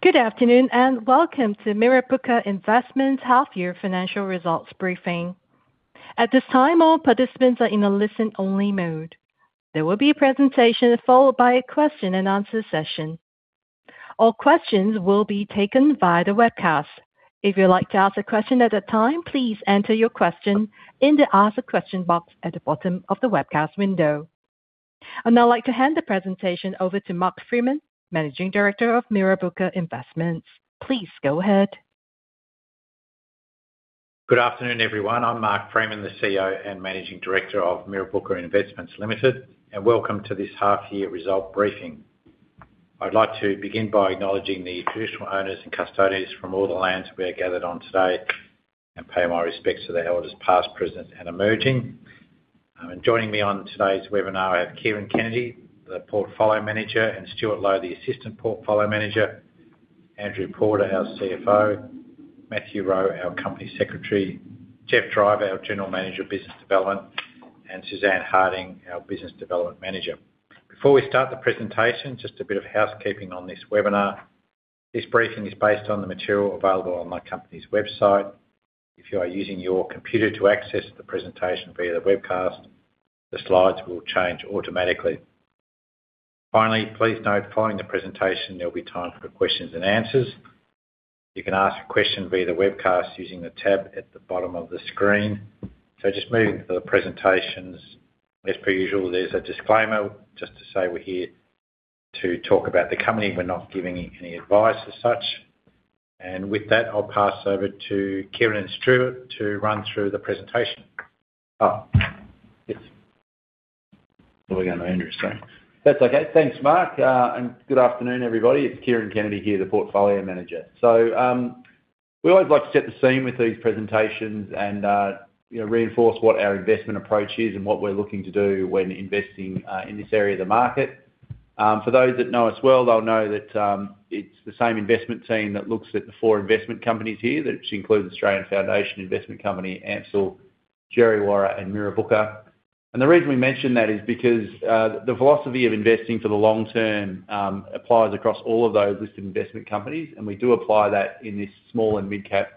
Good afternoon and welcome to Mirrabooka Investments half-year financial results briefing. At this time, all participants are in a listen-only mode. There will be a presentation followed by a question-and-answer session. All questions will be taken via the webcast. If you'd like to ask a question at a time, please enter your question in the Ask a Question box at the bottom of the webcast window. I'd now like to hand the presentation over to Mark Freeman, Managing Director of Mirrabooka Investments. Please go ahead. Good afternoon, everyone. I'm Mark Freeman, the CEO and Managing Director of Mirrabooka Investments Limited, and welcome to this half-year result briefing. I'd like to begin by acknowledging the traditional owners and custodians from all the lands we are gathered on today and pay my respects to the elders, past, present, and emerging. Joining me on today's webinar, I have Kieran Kennedy, the portfolio manager, and Stuart Low, the assistant portfolio manager; Andrew Porter, our CFO; Matthew Rowe, our company secretary; Geoff Driver, our general manager of business development; and Suzanne Harding, our business development manager. Before we start the presentation, just a bit of housekeeping on this webinar. This briefing is based on the material available on my company's website. If you are using your computer to access the presentation via the webcast, the slides will change automatically. Finally, please note, following the presentation, there'll be time for questions and answers. You can ask a question via the webcast using the tab at the bottom of the screen. So just moving to the presentations, as per usual, there's a disclaimer just to say we're here to talk about the company. We're not giving any advice as such. And with that, I'll pass over to Kieran and Stuart to run through the presentation. Oh, yes. What are we going to, Andrew? Sorry. That's okay. Thanks, Mark. Good afternoon, everybody. It's Kieran Kennedy here, the portfolio manager. We always like to set the scene with these presentations and reinforce what our investment approach is and what we're looking to do when investing in this area of the market. For those that know us well, they'll know that it's the same investment team that looks at the four investment companies here, which includes Australian Foundation Investment Company AMCIL, Djerriwarrh, and Mirrabooka. The reason we mention that is because the philosophy of investing for the long term applies across all of those listed investment companies, and we do apply that in this small and mid-cap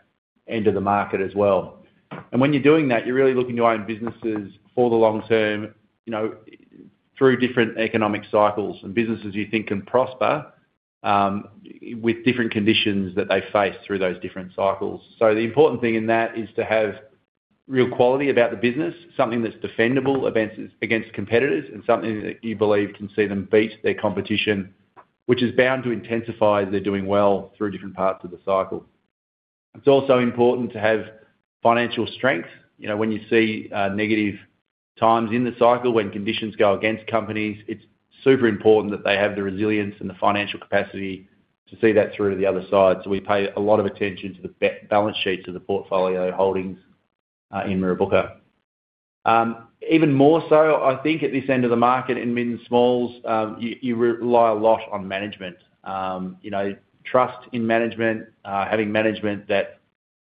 end of the market as well. When you're doing that, you're really looking at your own businesses for the long term through different economic cycles and businesses you think can prosper with different conditions that they face through those different cycles. The important thing in that is to have real quality about the business, something that's defendable against competitors, and something that you believe can see them beat their competition, which is bound to intensify as they're doing well through different parts of the cycle. It's also important to have financial strength. When you see negative times in the cycle, when conditions go against companies, it's super important that they have the resilience and the financial capacity to see that through to the other side. We pay a lot of attention to the balance sheets of the portfolio holdings in Mirrabooka. Even more so, I think, at this end of the market in mid and smalls, you rely a lot on management, trust in management, having management that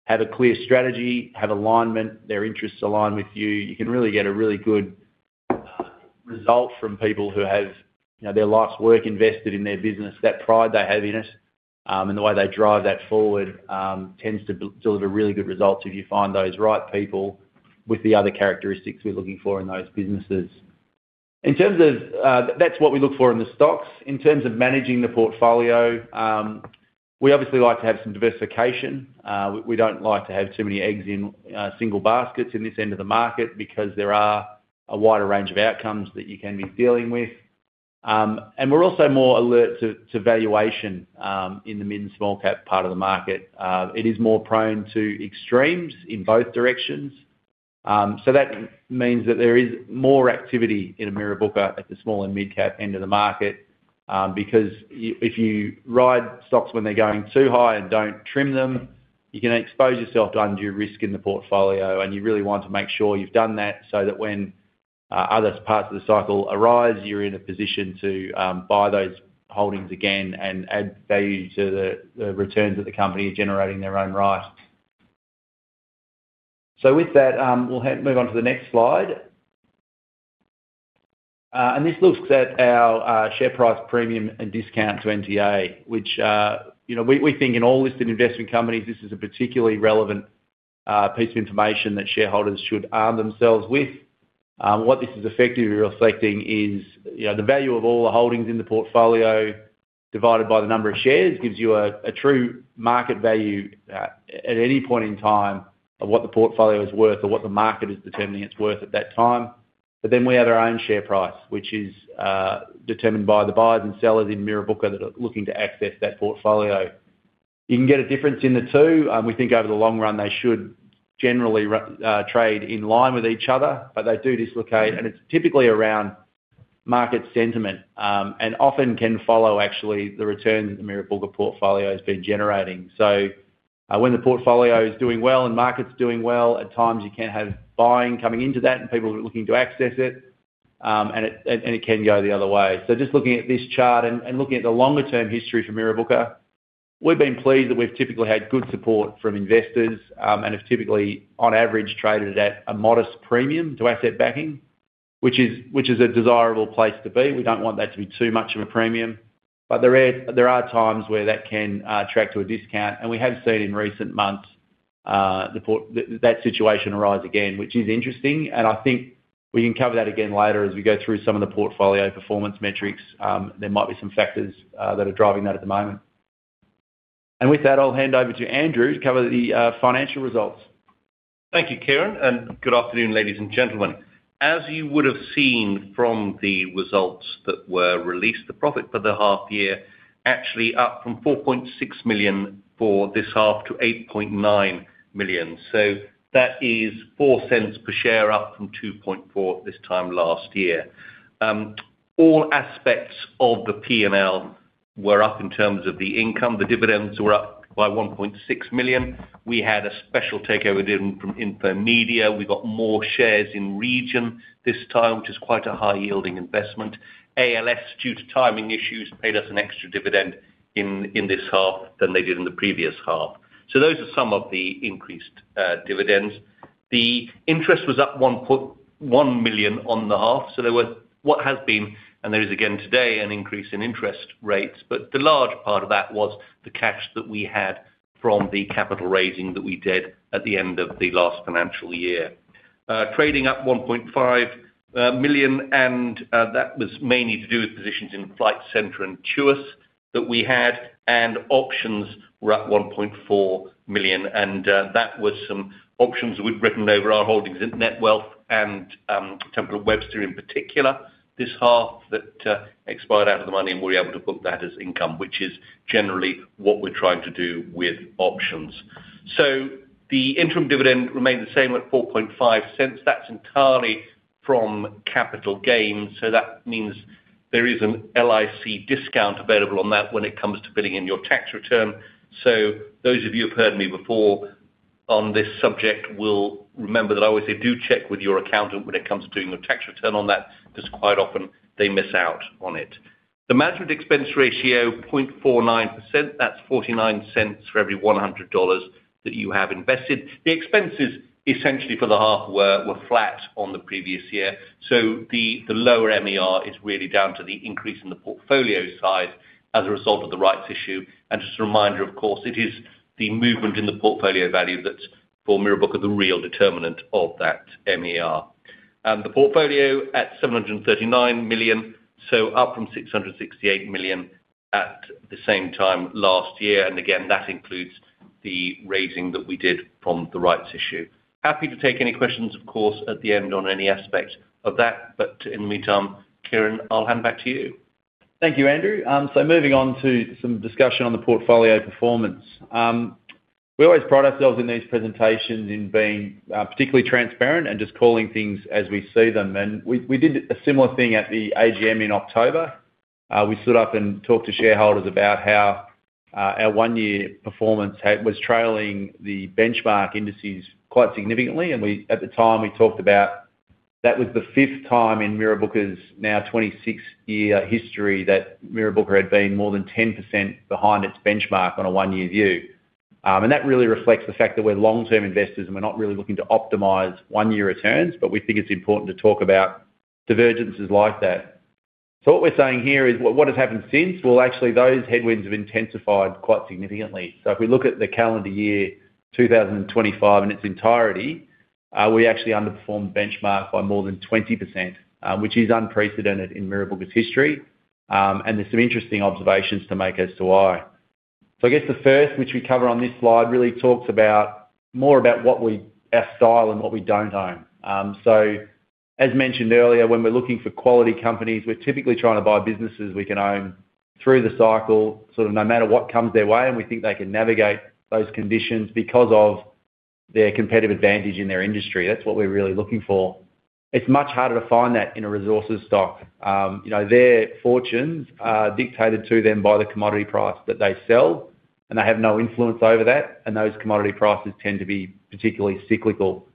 have a clear strategy, have alignment, their interests align with you. You can really get a really good result from people who have their life's work invested in their business, that pride they have in us, and the way they drive that forward tends to deliver really good results if you find those right people with the other characteristics we're looking for in those businesses. That's what we look for in the stocks. In terms of managing the portfolio, we obviously like to have some diversification. We don't like to have too many eggs in single baskets in this end of the market because there are a wider range of outcomes that you can be dealing with. We're also more alert to valuation in the mid- and small-cap part of the market. It is more prone to extremes in both directions. So that means that there is more activity in Mirrabooka at the small- and mid-cap end of the market because if you ride stocks when they're going too high and don't trim them, you can expose yourself to undue risk in the portfolio, and you really want to make sure you've done that so that when other parts of the cycle arise, you're in a position to buy those holdings again and add value to the returns that the company is generating in their own right. So with that, we'll move on to the next slide. This looks at our share price premium and discount to NTA, which we think in all listed investment companies, this is a particularly relevant piece of information that shareholders should arm themselves with. What this is effectively reflecting is the value of all the holdings in the portfolio divided by the number of shares gives you a true market value at any point in time of what the portfolio is worth or what the market is determining it's worth at that time. But then we have our own share price, which is determined by the buyers and sellers in Mirrabooka that are looking to access that portfolio. You can get a difference in the two. We think over the long run, they should generally trade in line with each other, but they do dislocate, and it's typically around market sentiment and often can follow, actually, the returns that the Mirrabooka portfolio has been generating. So when the portfolio is doing well and market's doing well, at times you can have buying coming into that and people looking to access it, and it can go the other way. So just looking at this chart and looking at the longer-term history for Mirrabooka, we've been pleased that we've typically had good support from investors and have typically, on average, traded it at a modest premium to asset backing, which is a desirable place to be. We don't want that to be too much of a premium. But there are times where that can track to a discount, and we have seen in recent months that situation arise again, which is interesting. And I think we can cover that again later as we go through some of the portfolio performance metrics. There might be some factors that are driving that at the moment. And with that, I'll hand over to Andrew to cover the financial results. Thank you, Kieran. And good afternoon, ladies and gentlemen. As you would have seen from the results that were released, the profit for the half-year actually up from 4.6 million for this half to 8.9 million. So that is 0.04 per share up from 0.024 this time last year. All aspects of the P&L were up in terms of the income. The dividends were up by 1.6 million. We had a special takeover done from Infomedia. We got more shares in Region this time, which is quite a high-yielding investment. ALS, due to timing issues, paid us an extra dividend in this half than they did in the previous half. So those are some of the increased dividends. The interest was up 1 million on the half. So there was what has been and there is again today an increase in interest rates. But the large part of that was the cash that we had from the capital raising that we did at the end of the last financial year. Trading up 1.5 million, and that was mainly to do with positions in Flight Centre and TUI's that we had. Options were up 1.4 million, and that was some options we'd written over our holdings at Netwealth and Temple & Webster in particular this half that expired out of the money, and we were able to book that as income, which is generally what we're trying to do with options. So the interim dividend remained the same at 0.045. That's entirely from capital gains. So that means there is an LIC discount available on that when it comes to filling in your tax return. So those of you who have heard me before on this subject will remember that I always say, "Do check with your accountant when it comes to doing your tax return on that," because quite often they miss out on it. The management expense ratio, 0.49%, that's 0.49 for every 100 dollars that you have invested. The expenses, essentially, for the half were flat on the previous year. So the lower MER is really down to the increase in the portfolio size as a result of the rights issue. And just a reminder, of course, it is the movement in the portfolio value that's for Mirrabooka the real determinant of that MER. The portfolio at 739 million, so up from 668 million at the same time last year. And again, that includes the raising that we did from the rights issue. Happy to take any questions, of course, at the end on any aspect of that. But in the meantime, Kieran, I'll hand back to you. Thank you, Andrew. So moving on to some discussion on the portfolio performance. We always pride ourselves in these presentations in being particularly transparent and just calling things as we see them. We did a similar thing at the AGM in October. We stood up and talked to shareholders about how our one-year performance was trailing the benchmark indices quite significantly. At the time, we talked about that was the fifth time in Mirrabooka's now 26-year history that Mirrabooka had been more than 10% behind its benchmark on a one-year view. That really reflects the fact that we're long-term investors, and we're not really looking to optimize one-year returns, but we think it's important to talk about divergences like that. What we're saying here is what has happened since, well, actually, those headwinds have intensified quite significantly. If we look at the calendar year, 2025, in its entirety, we actually underperformed benchmark by more than 20%, which is unprecedented in Mirrabooka's history. There's some interesting observations to make as to why. So I guess the first, which we cover on this slide, really talks more about our style and what we don't own. So as mentioned earlier, when we're looking for quality companies, we're typically trying to buy businesses we can own through the cycle, sort of no matter what comes their way, and we think they can navigate those conditions because of their competitive advantage in their industry. That's what we're really looking for. It's much harder to find that in a resources stock. Their fortunes are dictated to them by the commodity price that they sell, and they have no influence over that. And those commodity prices tend to be particularly cyclical.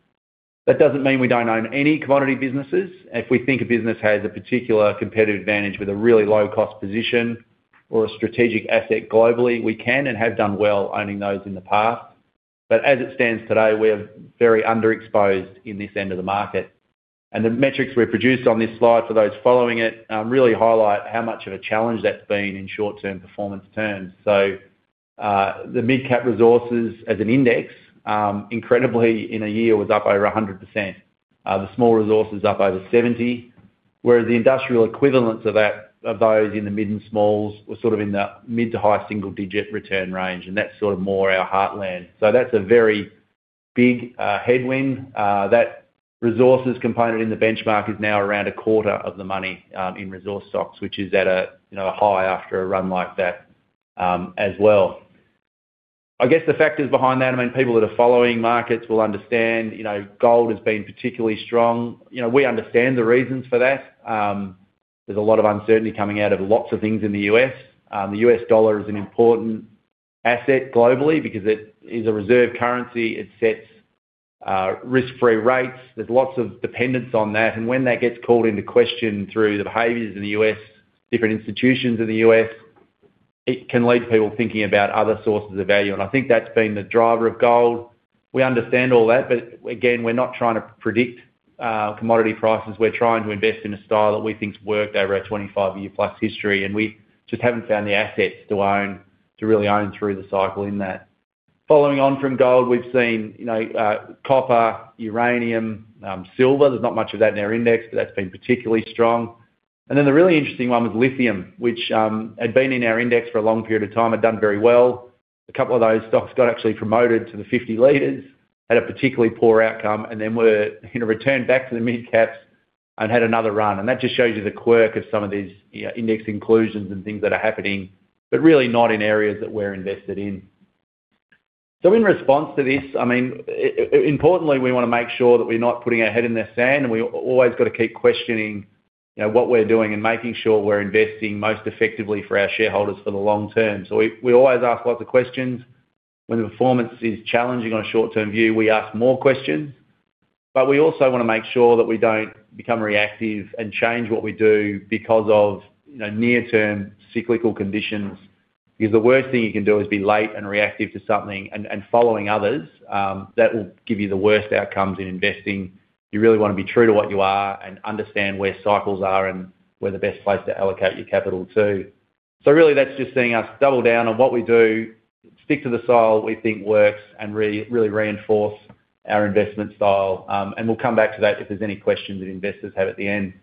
That doesn't mean we don't own any commodity businesses. If we think a business has a particular competitive advantage with a really low-cost position or a strategic asset globally, we can and have done well owning those in the past. But as it stands today, we are very underexposed in this end of the market. And the metrics we produced on this slide for those following it really highlight how much of a challenge that's been in short-term performance terms. So the Mid-Cap Resources, as an index, incredibly, in a year, was up over 100%. The small resources up over 70%, whereas the industrial equivalents of those in the mid and small were sort of in the mid to high single-digit return range. And that's sort of more our heartland. So that's a very big headwind. That resources component in the benchmark is now around a quarter of the money in resource stocks, which is at a high after a run like that as well. I guess the factors behind that, I mean, people that are following markets will understand gold has been particularly strong. We understand the reasons for that. There's a lot of uncertainty coming out of lots of things in the U.S. The U.S. dollar is an important asset globally because it is a reserve currency. It sets risk-free rates. There's lots of dependence on that. And when that gets called into question through the behaviours in the U.S., different institutions in the U.S., it can lead to people thinking about other sources of value. And I think that's been the driver of gold. We understand all that. But again, we're not trying to predict commodity prices. We're trying to invest in a style that we think's worked over our 25-year-plus history. We just haven't found the assets to really own through the cycle in that. Following on from gold, we've seen copper, uranium, silver. There's not much of that in our index, but that's been particularly strong. Then the really interesting one was lithium, which had been in our index for a long period of time, had done very well. A couple of those stocks got actually promoted to the 50 Leaders, had a particularly poor outcome, and then returned back to the mid-caps and had another run. That just shows you the quirk of some of these index inclusions and things that are happening, but really not in areas that we're invested in. So in response to this, I mean, importantly, we want to make sure that we're not putting our head in the sand, and we always got to keep questioning what we're doing and making sure we're investing most effectively for our shareholders for the long term. So we always ask lots of questions. When the performance is challenging on a short-term view, we ask more questions. But we also want to make sure that we don't become reactive and change what we do because of near-term cyclical conditions. Because the worst thing you can do is be late and reactive to something and following others. That will give you the worst outcomes in investing. You really want to be true to what you are and understand where cycles are and where the best place to allocate your capital to. So really, that's just saying us double down on what we do, stick to the style we think works, and really reinforce our investment style. And we'll come back to that if there's any questions that investors have at the end.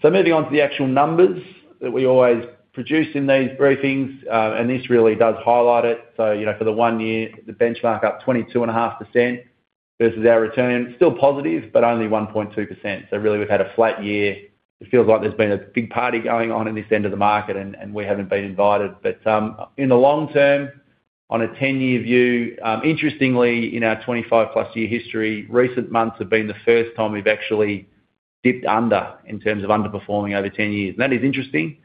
So moving on to the actual numbers that we always produce in these briefings, and this really does highlight it. So for the one year, the benchmark up 22.5% versus our return, still positive, but only 1.2%. So really, we've had a flat year. It feels like there's been a big party going on in this end of the market, and we haven't been invited. But in the long term, on a 10-year view, interestingly, in our 25-plus-year history, recent months have been the first time we've actually dipped under in terms of underperforming over 10 years. And that is interesting.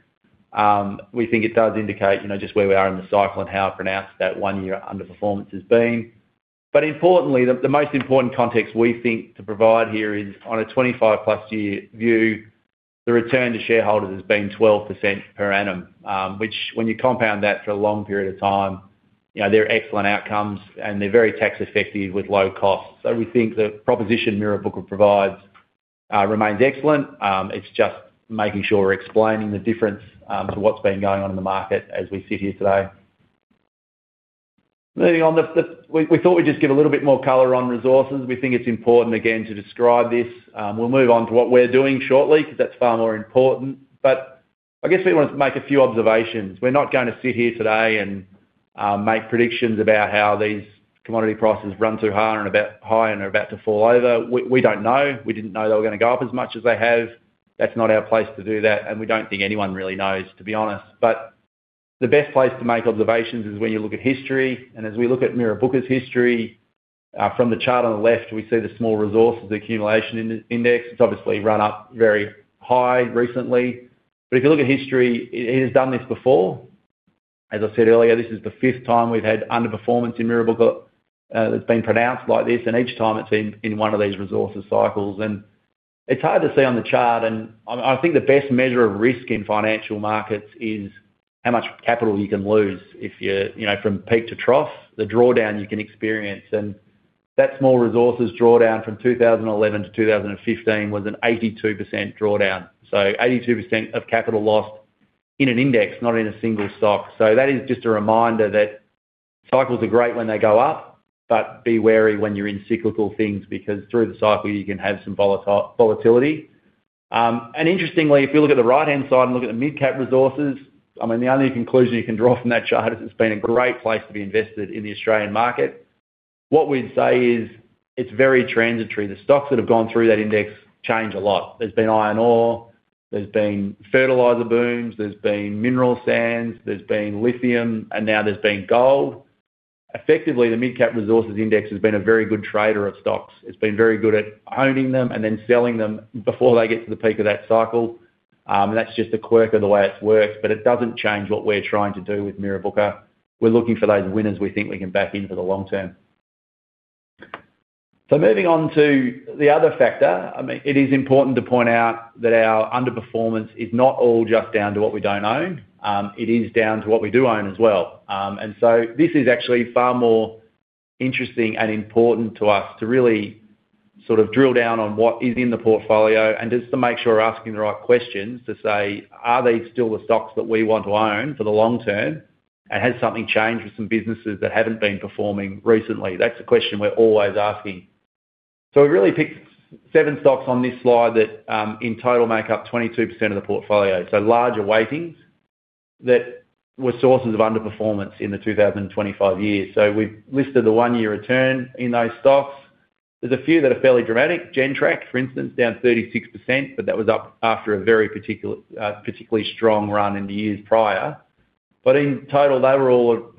We think it does indicate just where we are in the cycle and how pronounced that one-year underperformance has been. But importantly, the most important context we think to provide here is on a 25+-year view, the return to shareholders has been 12% per annum, which when you compound that for a long period of time, they're excellent outcomes, and they're very tax-effective with low costs. So we think the proposition Mirrabooka provides remains excellent. It's just making sure we're explaining the difference to what's been going on in the market as we sit here today. Moving on, we thought we'd just give a little bit more color on resources. We think it's important, again, to describe this. We'll move on to what we're doing shortly because that's far more important. But I guess we want to make a few observations. We're not going to sit here today and make predictions about how these commodity prices run too high and are about to fall over. We don't know. We didn't know they were going to go up as much as they have. That's not our place to do that. We don't think anyone really knows, to be honest. The best place to make observations is when you look at history. As we look at Mirrabooka's history, from the chart on the left, we see the Small Resources Accumulation Index. It's obviously run up very high recently. If you look at history, it has done this before. As I said earlier, this is the fifth time we've had underperformance in Mirrabooka that's been pronounced like this. Each time, it's been in one of these resources cycles. It's hard to see on the chart. I think the best measure of risk in financial markets is how much capital you can lose from peak to trough, the drawdown you can experience. And that small resources drawdown from 2011 to 2015 was an 82% drawdown, so 82% of capital lost in an index, not in a single stock. So that is just a reminder that cycles are great when they go up, but be wary when you're in cyclical things because through the cycle, you can have some volatility. And interestingly, if you look at the right-hand side and look at the mid-cap resources, I mean, the only conclusion you can draw from that chart is it's been a great place to be invested in the Australian market. What we'd say is it's very transitory. The stocks that have gone through that index change a lot. There's been iron ore. There's been fertilizer booms. There's been mineral sands. There's been lithium. And now there's been gold. Effectively, the mid-cap resources index has been a very good trader of stocks. It's been very good at owning them and then selling them before they get to the peak of that cycle. And that's just a quirk of the way it's worked. But it doesn't change what we're trying to do with Mirrabooka. We're looking for those winners we think we can back in for the long term. So moving on to the other factor, I mean, it is important to point out that our underperformance is not all just down to what we don't own. It is down to what we do own as well. This is actually far more interesting and important to us to really sort of drill down on what is in the portfolio and just to make sure we're asking the right questions to say, "Are these still the stocks that we want to own for the long term, and has something changed with some businesses that haven't been performing recently?" That's a question we're always asking. So we really picked 7 stocks on this slide that in total make up 22% of the portfolio, so larger weightings that were sources of underperformance in the 2025 year. So we've listed the 1-year return in those stocks. There's a few that are fairly dramatic. Gentrack, for instance, down 36%, but that was up after a very particularly strong run in the years prior. In total, they were all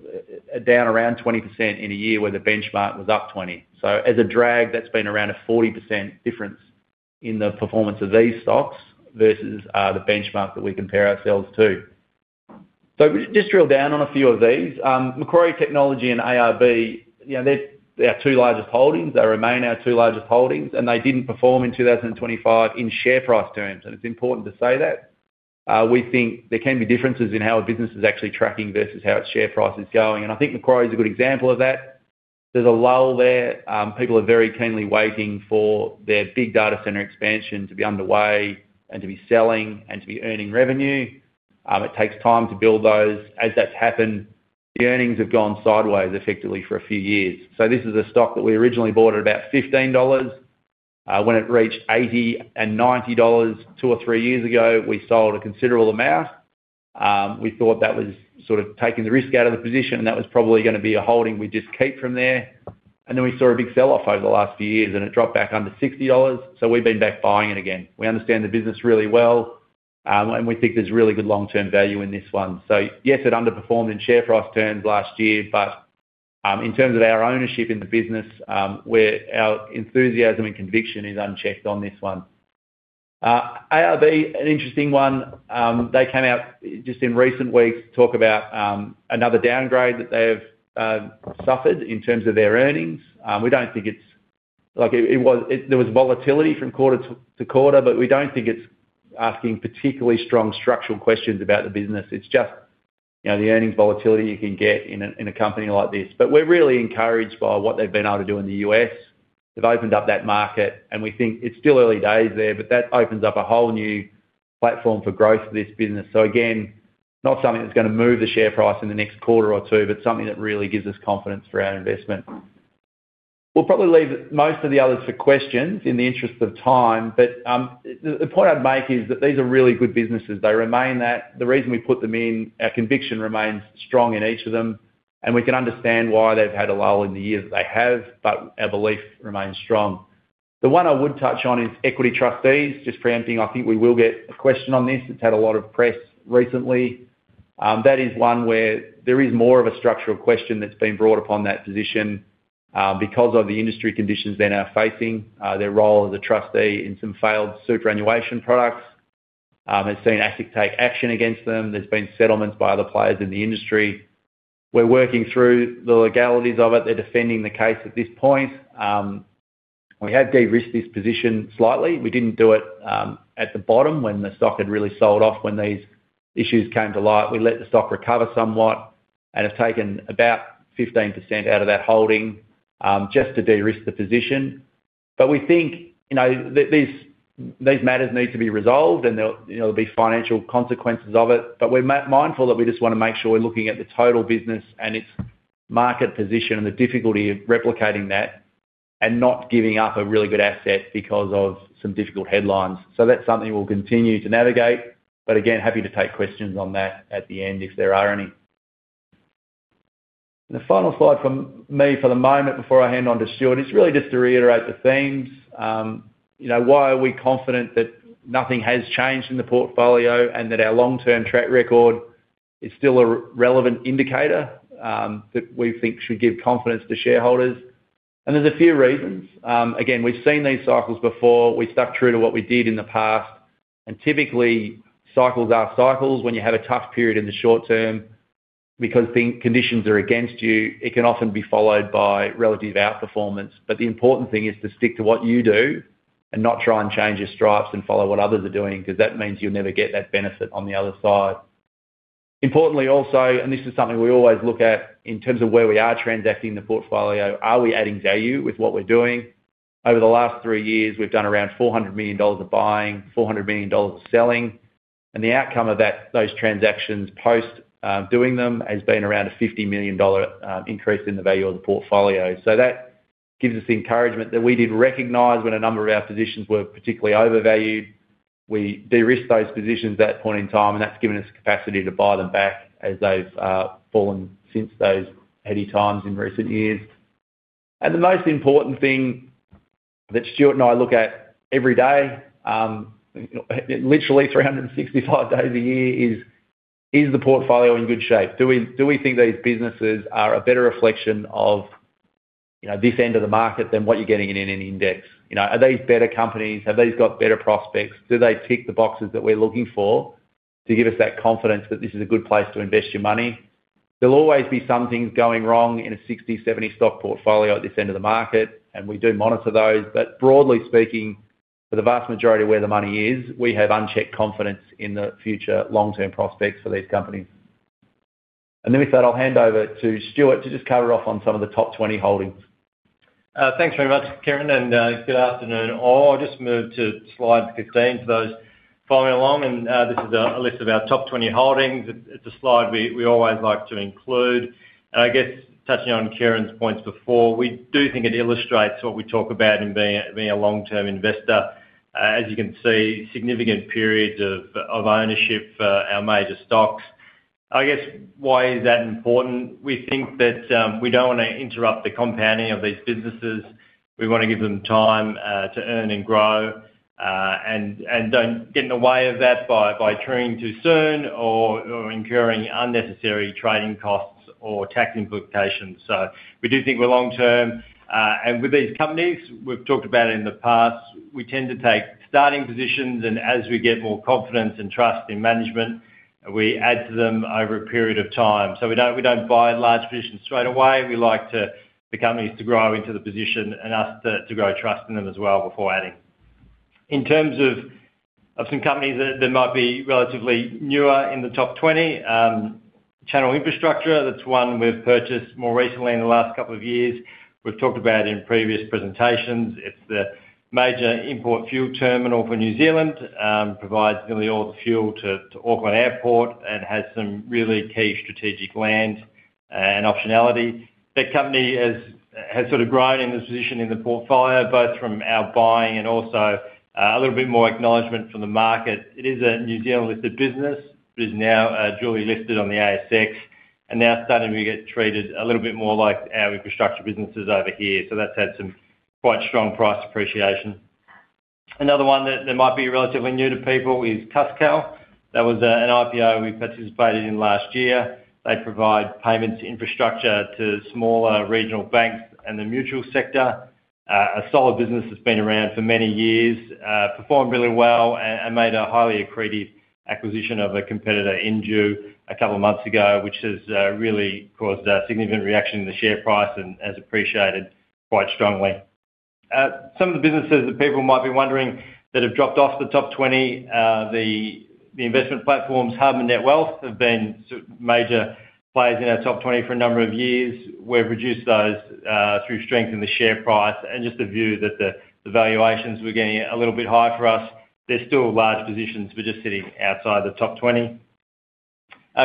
down around 20% in a year where the benchmark was up 20%. So as a drag, that's been around a 40% difference in the performance of these stocks versus the benchmark that we compare ourselves to. So just drill down on a few of these. Macquarie Technology and ARB, they're our two largest holdings. They remain our two largest holdings. And they didn't perform in 2025 in share price terms. And it's important to say that. We think there can be differences in how a business is actually tracking versus how its share price is going. And I think Macquarie's a good example of that. There's a lull there. People are very keenly waiting for their big data center expansion to be underway and to be selling and to be earning revenue. It takes time to build those. As that's happened, the earnings have gone sideways effectively for a few years. So this is a stock that we originally bought at about 15 dollars. When it reached 80 and 90 dollars two or three years ago, we sold a considerable amount. We thought that was sort of taking the risk out of the position, and that was probably going to be a holding we'd just keep from there. And then we saw a big sell-off over the last few years, and it dropped back under 60 dollars. So we've been back buying it again. We understand the business really well, and we think there's really good long-term value in this one. So yes, it underperformed in share price terms last year, but in terms of our ownership in the business, our enthusiasm and conviction is unchecked on this one. ARB, an interesting one, they came out just in recent weeks to talk about another downgrade that they have suffered in terms of their earnings. We don't think it's there was volatility from quarter to quarter, but we don't think it's asking particularly strong structural questions about the business. It's just the earnings volatility you can get in a company like this. But we're really encouraged by what they've been able to do in the U.S. They've opened up that market, and we think it's still early days there, but that opens up a whole new platform for growth for this business. So again, not something that's going to move the share price in the next quarter or two, but something that really gives us confidence for our investment. We'll probably leave most of the others for questions in the interest of time. But the point I'd make is that these are really good businesses. They remain that. The reason we put them in, our conviction remains strong in each of them. And we can understand why they've had a lull in the year that they have, but our belief remains strong. The one I would touch on is Equity Trustees, just preempting. I think we will get a question on this. It's had a lot of press recently. That is one where there is more of a structural question that's been brought upon that position because of the industry conditions they now facing, their role as a trustee in some failed superannuation products. They've seen ASIC take action against them. There's been settlements by other players in the industry. We're working through the legalities of it. They're defending the case at this point. We have de-risked this position slightly. We didn't do it at the bottom when the stock had really sold off when these issues came to light. We let the stock recover somewhat and have taken about 15% out of that holding just to de-risk the position. But we think these matters need to be resolved, and there'll be financial consequences of it. But we're mindful that we just want to make sure we're looking at the total business and its market position and the difficulty of replicating that and not giving up a really good asset because of some difficult headlines. So that's something we'll continue to navigate. But again, happy to take questions on that at the end if there are any. And the final slide from me for the moment before I hand over to Stuart is really just to reiterate the themes. Why are we confident that nothing has changed in the portfolio and that our long-term track record is still a relevant indicator that we think should give confidence to shareholders? There's a few reasons. Again, we've seen these cycles before. We stuck true to what we did in the past. Typically, cycles are cycles. When you have a tough period in the short term because conditions are against you, it can often be followed by relative outperformance. The important thing is to stick to what you do and not try and change your stripes and follow what others are doing because that means you'll never get that benefit on the other side. Importantly also, this is something we always look at in terms of where we are transacting the portfolio, are we adding value with what we're doing? Over the last three years, we've done around 400 million dollars of buying, 400 million dollars of selling. The outcome of those transactions post doing them has been around a 50 million dollar increase in the value of the portfolio. That gives us encouragement that we did recognise when a number of our positions were particularly overvalued. We de-risked those positions at that point in time, and that's given us capacity to buy them back as they've fallen since those heady times in recent years. The most important thing that Stuart and I look at every day, literally 365 days a year, is the portfolio in good shape? Do we think these businesses are a better reflection of this end of the market than what you're getting in any index? Are these better companies? Have these got better prospects? Do they tick the boxes that we're looking for to give us that confidence that this is a good place to invest your money? There'll always be some things going wrong in a 60-70 stock portfolio at this end of the market, and we do monitor those. But broadly speaking, for the vast majority of where the money is, we have unchecked confidence in the future long-term prospects for these companies. And then with that, I'll hand over to Stuart to just cover off on some of the top 20 holdings. Thanks very much, Kieran. Good afternoon. I'll just move to slide 15 for those following along. This is a list of our top 20 holdings. It's a slide we always like to include. I guess touching on Kieran's points before, we do think it illustrates what we talk about in being a long-term investor. As you can see, significant periods of ownership for our major stocks. I guess why is that important? We think that we don't want to interrupt the compounding of these businesses. We want to give them time to earn and grow and don't get in the way of that by trading too soon or incurring unnecessary trading costs or tax implications. So we do think we're long-term. With these companies, we've talked about it in the past, we tend to take starting positions. As we get more confidence and trust in management, we add to them over a period of time. We don't buy large positions straight away. We like the companies to grow into the position and us to grow trust in them as well before adding. In terms of some companies that might be relatively newer in the top 20, Channel Infrastructure, that's one we've purchased more recently in the last couple of years. We've talked about in previous presentations. It's the major import fuel terminal for New Zealand, provides nearly all the fuel to Auckland Airport, and has some really key strategic land and optionality. That company has sort of grown in this position in the portfolio both from our buying and also a little bit more acknowledgement from the market. It is a New Zealand-listed business. It is now duly listed on the ASX and now starting to get treated a little bit more like our infrastructure businesses over here. So that's had some quite strong price appreciation. Another one that might be relatively new to people is Cuscal. That was an IPO we participated in last year. They provide payments infrastructure to smaller regional banks and the mutual sector. A solid business that's been around for many years, performed really well, and made a highly accretive acquisition of a competitor, Indue, a couple of months ago, which has really caused a significant reaction in the share price and has appreciated quite strongly. Some of the businesses that people might be wondering that have dropped off the top 20, the investment platforms Hub24, Netwealth have been major players in our top 20 for a number of years. We've reduced those through strength in the share price and just the view that the valuations were getting a little bit high for us. They're still large positions, but just sitting outside the top 20.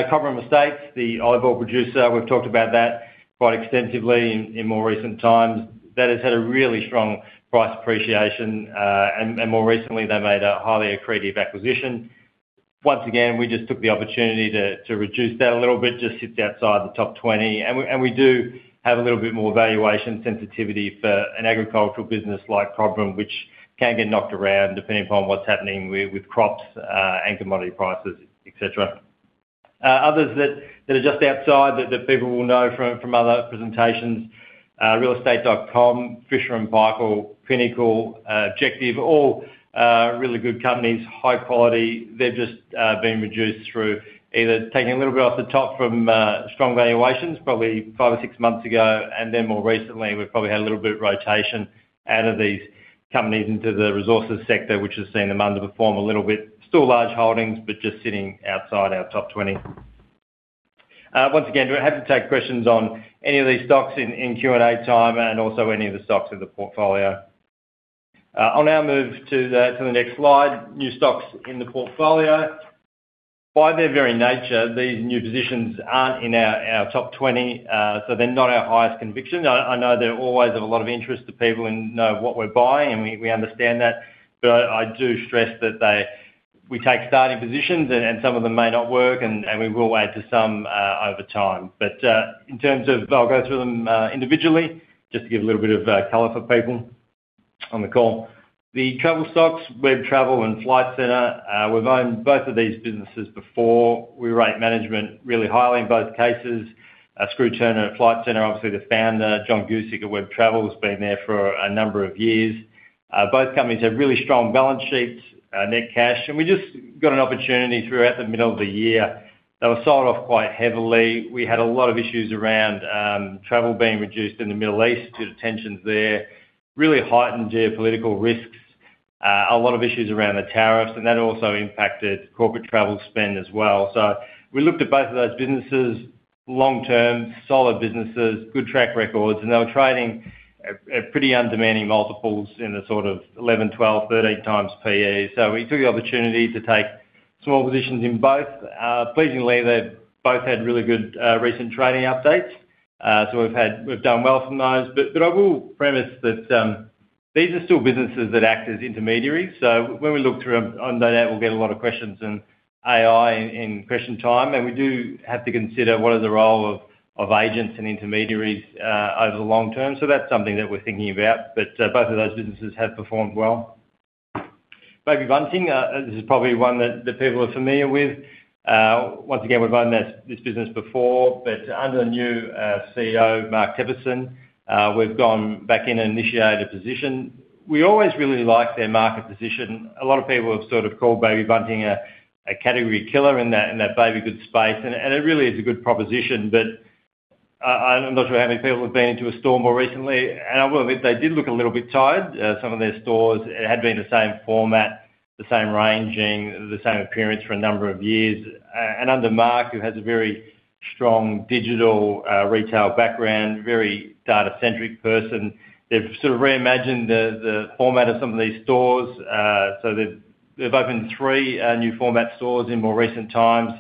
Cobram Estate Olives, the olive oil producer, we've talked about that quite extensively in more recent times. That has had a really strong price appreciation. And more recently, they made a highly accretive acquisition. Once again, we just took the opportunity to reduce that a little bit. Just sits outside the top 20. And we do have a little bit more valuation sensitivity for an agricultural business like Cobram, which can get knocked around depending upon what's happening with crops and commodity prices, etc. Others that are just outside that people will know from other presentations, realestate.com, Fisher & Paykel, Pinnacle, Objective, all really good companies, high quality. They've just been reduced through either taking a little bit off the top from strong valuations probably 5 or 6 months ago, and then more recently, we've probably had a little bit of rotation out of these companies into the resources sector, which has seen them underperform a little bit. Still large holdings, but just sitting outside our top 20. Once again, happy to take questions on any of these stocks in Q&A time and also any of the stocks in the portfolio. I'll now move to the next slide, new stocks in the portfolio. By their very nature, these new positions aren't in our top 20, so they're not our highest conviction. I know there always are a lot of interest to people in knowing what we're buying, and we understand that. But I do stress that we take starting positions, and some of them may not work, and we will add to some over time. But in terms of, I'll go through them individually just to give a little bit of color for people on the call. The travel stocks, Webjet and Flight Centre, we've owned both of these businesses before. We rate management really highly in both cases. Graham Turner of Flight Centre, obviously the founder, John Guscic at Webjet has been there for a number of years. Both companies have really strong balance sheets, net cash. And we just got an opportunity throughout the middle of the year. They were sold off quite heavily. We had a lot of issues around travel being reduced in the Middle East due to tensions there, really heightened geopolitical risks, a lot of issues around the tariffs, and that also impacted Corporate Travel spend as well. So we looked at both of those businesses, long-term, solid businesses, good track records, and they were trading at pretty undemanding multiples in the sort of 11x-13x PE. So we took the opportunity to take small positions in both. Pleasingly, they've both had really good recent trading updates. So we've done well from those. But I will premise that these are still businesses that act as intermediaries. So when we look through on that, we'll get a lot of questions and AI in question time. And we do have to consider what is the role of agents and intermediaries over the long term. So that's something that we're thinking about. But both of those businesses have performed well. Baby Bunting, this is probably one that people are familiar with. Once again, we've owned this business before. But under the new CEO, Mark Teperson, we've gone back in an initiated position. We always really like their market position. A lot of people have sort of called Baby Bunting a category killer in that baby goods space. And it really is a good proposition. But I'm not sure how many people have been into a store more recently. And I will admit they did look a little bit tired, some of their stores. It had been the same format, the same ranging, the same appearance for a number of years. And under Mark, who has a very strong digital retail background, very data-centric person, they've sort of reimagined the format of some of these stores. So they've opened three new format stores in more recent times,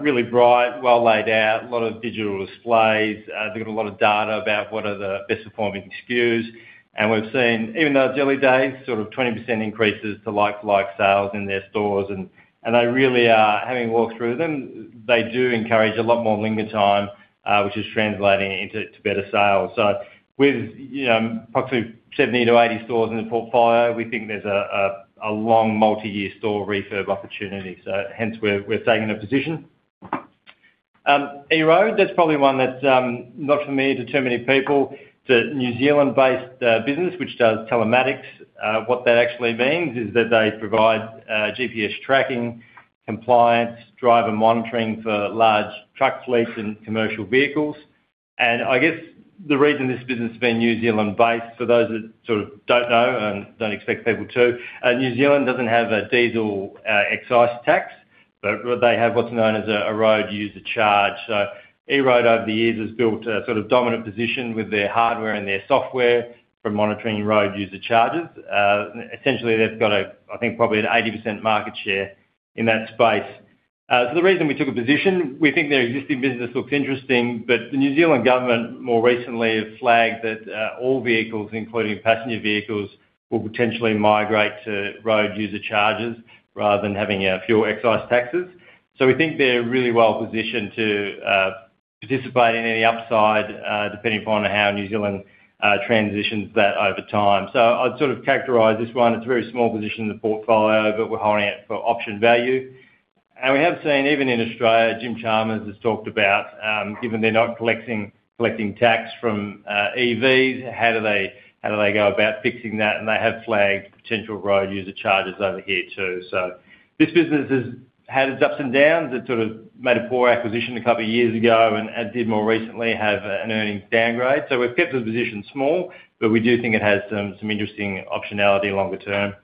really bright, well laid out, a lot of digital displays. They've got a lot of data about what are the best-performing SKUs. And we've seen, even though it's early days, sort of 20% increases to like-for-like sales in their stores. And they really are having a walk through them, they do encourage a lot more lingering time, which is translating into better sales. So with approximately 70-80 stores in the portfolio, we think there's a long multi-year store refurb opportunity. So hence, we're taking a position. EROAD, that's probably one that's not familiar to too many people. It's a New Zealand-based business which does telematics. What that actually means is that they provide GPS tracking, compliance, driver monitoring for large truck fleets and commercial vehicles. I guess the reason this business has been New Zealand-based, for those that sort of don't know and don't expect people to, New Zealand doesn't have a diesel excise tax, but they have what's known as a road user charge. So EROAD, over the years, has built a sort of dominant position with their hardware and their software for monitoring road user charges. Essentially, they've got a, I think, probably an 80% market share in that space. So the reason we took a position, we think their existing business looks interesting. But the New Zealand government more recently have flagged that all vehicles, including passenger vehicles, will potentially migrate to road user charges rather than having fuel excise taxes. So we think they're really well positioned to participate in any upside depending upon how New Zealand transitions that over time. So I'd sort of characterise this one. It's a very small position in the portfolio, but we're holding it for option value. We have seen, even in Australia, Jim Chalmers has talked about, given they're not collecting tax from EVs, how do they go about fixing that? They have flagged potential road user charges over here too. This business has had its ups and downs. It sort of made a poor acquisition a couple of years ago and did more recently have an earnings downgrade. We've kept the position small, but we do think it has some interesting optionality longer term.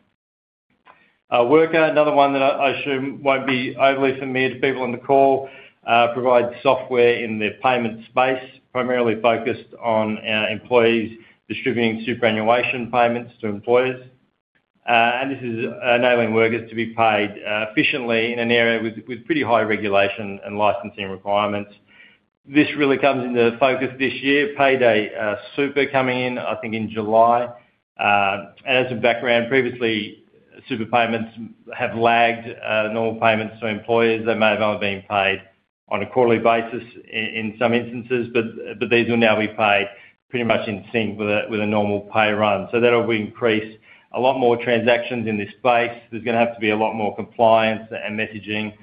Wrkr, another one that I assume won't be overly familiar to people on the call, provides software in the payment space, primarily focused on employees distributing superannuation payments to employers. This is enabling workers to be paid efficiently in an area with pretty high regulation and licensing requirements. This really comes into focus this year. Payday Super coming in, I think, in July. And as a background, previously, Super Payments have lagged normal payments to employers. They may have only been paid on a quarterly basis in some instances, but these will now be paid pretty much in sync with a normal pay run. So that will increase a lot more transactions in this space. There's going to have to be a lot more compliance and messaging.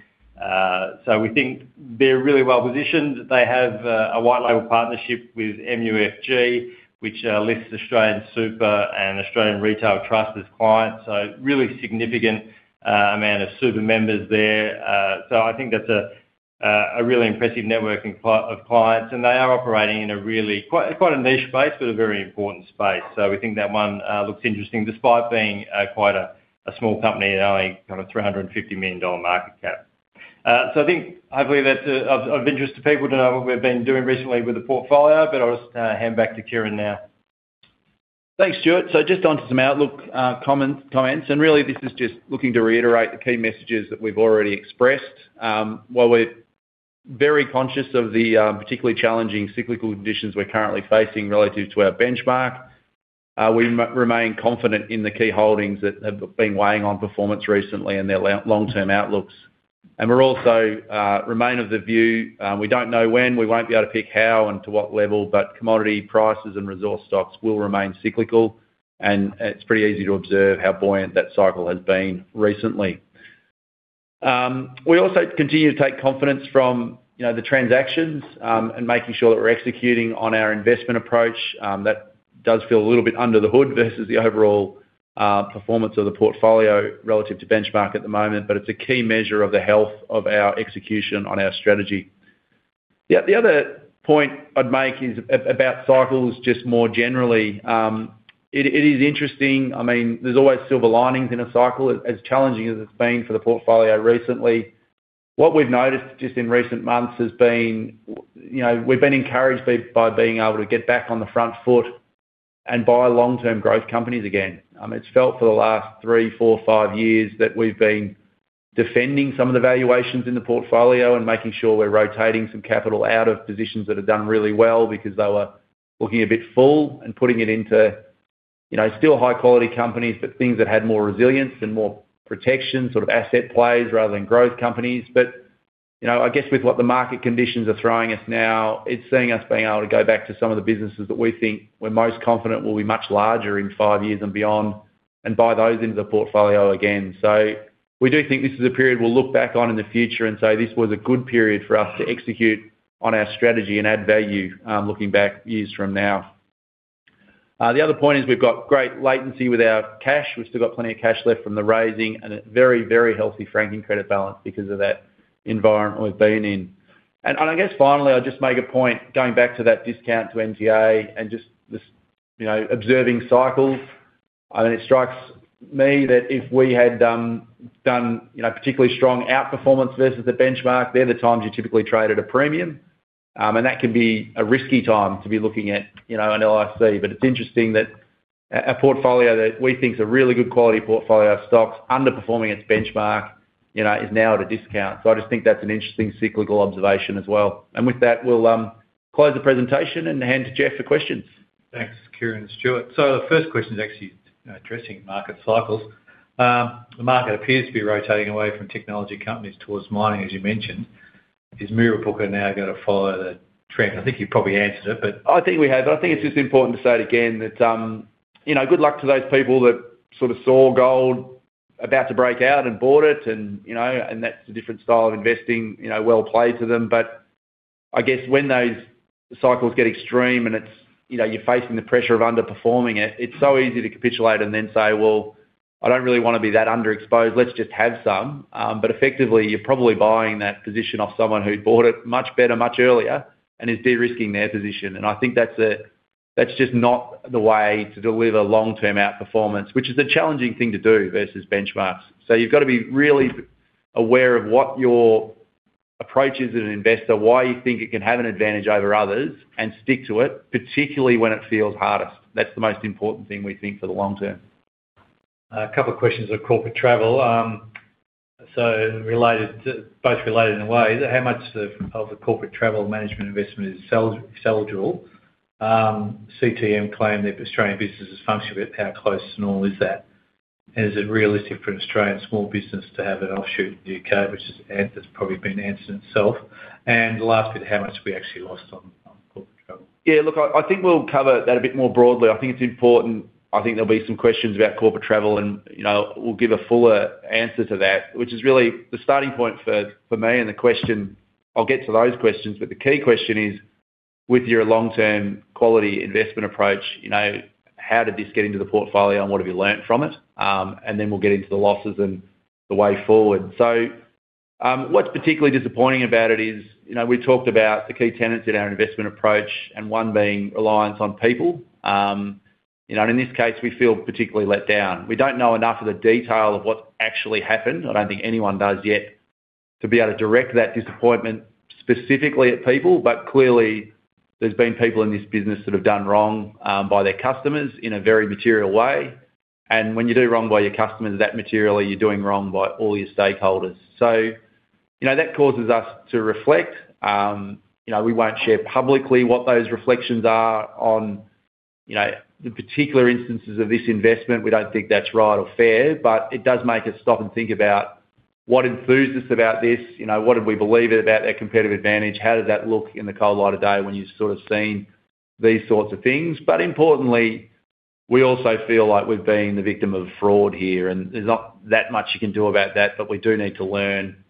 So we think they're really well positioned. They have a white-label partnership with MUFG, which lists Australian Super and Australian Retail Trust as clients. So really significant amount of Super members there. So I think that's a really impressive network of clients. And they are operating in a really quite a niche space, but a very important space. So we think that one looks interesting despite being quite a small company and only kind of 350 million dollar market cap. So I think, hopefully, that's of interest to people to know what we've been doing recently with the portfolio. But I'll just hand back to Kieran now. Thanks, Stuart. So just onto some outlook comments. And really, this is just looking to reiterate the key messages that we've already expressed. While we're very conscious of the particularly challenging cyclical conditions we're currently facing relative to our benchmark, we remain confident in the key holdings that have been weighing on performance recently and their long-term outlooks. And we also remain of the view, we don't know when, we won't be able to pick how and to what level, but commodity prices and resource stocks will remain cyclical. And it's pretty easy to observe how buoyant that cycle has been recently. We also continue to take confidence from the transactions and making sure that we're executing on our investment approach. That does feel a little bit under the hood versus the overall performance of the portfolio relative to benchmark at the moment. But it's a key measure of the health of our execution on our strategy. The other point I'd make is about cycles just more generally. It is interesting. I mean, there's always silver linings in a cycle, as challenging as it's been for the portfolio recently. What we've noticed just in recent months has been we've been encouraged by being able to get back on the front foot and buy long-term growth companies again. It's felt for the last 3, 4, 5 years that we've been defending some of the valuations in the portfolio and making sure we're rotating some capital out of positions that have done really well because they were looking a bit full and putting it into still high-quality companies, but things that had more resilience and more protection, sort of asset plays rather than growth companies. But I guess with what the market conditions are throwing us now, it's seeing us being able to go back to some of the businesses that we think we're most confident will be much larger in five years and beyond and buy those into the portfolio again. So we do think this is a period we'll look back on in the future and say, "This was a good period for us to execute on our strategy and add value looking back years from now." The other point is we've got great latency with our cash. We've still got plenty of cash left from the raising and a very, very healthy franking credits balance because of that environment we've been in. And I guess, finally, I'll just make a point going back to that discount to NTA and just observing cycles. I mean, it strikes me that if we had done particularly strong outperformance versus the benchmark, they're the times you typically trade at a premium. And that can be a risky time to be looking at an LIC. But it's interesting that a portfolio that we think's a really good quality portfolio of stocks underperforming its benchmark is now at a discount. So I just think that's an interesting cyclical observation as well. And with that, we'll close the presentation and hand to Geoff for questions. Thanks, Kieran and Stuart. So the first question's actually addressing market cycles. The market appears to be rotating away from technology companies towards mining, as you mentioned. Is Mirrabooka now going to follow the trend? I think you've probably answered it, but. I think we have. But I think it's just important to say it again that good luck to those people that sort of saw gold about to break out and bought it. And that's a different style of investing, well played to them. But I guess when those cycles get extreme and you're facing the pressure of underperforming it, it's so easy to capitulate and then say, "Well, I don't really want to be that underexposed. Let's just have some." But effectively, you're probably buying that position off someone who bought it much better, much earlier, and is de-risking their position. And I think that's just not the way to deliver long-term outperformance, which is a challenging thing to do versus benchmarks. You've got to be really aware of what your approach is as an investor, why you think it can have an advantage over others, and stick to it, particularly when it feels hardest. That's the most important thing we think for the long term. A couple of questions on corporate travel. So both related in a way. How much of the Corporate Travel Management investment is sold down? CTM claim that Australian businesses function a bit power-close. Normal is that? And is it realistic for an Australian small business to have an offshoot in the U.K., which has probably been answered itself? And the last bit, how much have we actually lost on corporate travel? Yeah. Look, I think we'll cover that a bit more broadly. I think it's important. I think there'll be some questions about corporate travel. And we'll give a fuller answer to that, which is really the starting point for me and the question. I'll get to those questions. But the key question is, with your long-term quality investment approach, how did this get into the portfolio and what have you learned from it? And then we'll get into the losses and the way forward. So what's particularly disappointing about it is we talked about the key tenets in our investment approach, and one being reliance on people. And in this case, we feel particularly let down. We don't know enough of the detail of what's actually happened. I don't think anyone does yet to be able to direct that disappointment specifically at people. But clearly, there's been people in this business that have done wrong by their customers in a very material way. And when you do wrong by your customers that materially, you're doing wrong by all your stakeholders. So that causes us to reflect. We won't share publicly what those reflections are on the particular instances of this investment. We don't think that's right or fair. But it does make us stop and think about what enthused us about this? What did we believe about their competitive advantage? How does that look in the cold light of day when you've sort of seen these sorts of things? But importantly, we also feel like we've been the victim of fraud here. And there's not that much you can do about that. But we do need to learn